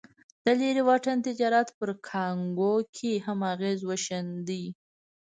د لرې واټن تجارت پر کانګو یې هم اغېز وښند.